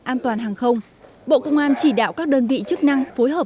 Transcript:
an toàn hàng không bộ công an chỉ đạo các đơn vị chức năng phối hợp